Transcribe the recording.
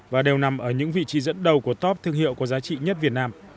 và đều nằm ở những vị trí dẫn đầu của top thương hiệu có giá trị nhất việt nam